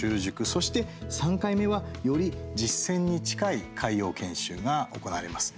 そして、３回目はより実践に近い海洋研修が行われます。